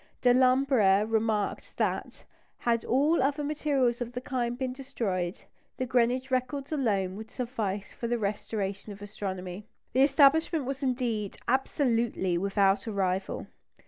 Delambre remarked that, had all other materials of the kind been destroyed, the Greenwich records alone would suffice for the restoration of astronomy. The establishment was indeed absolutely without a rival.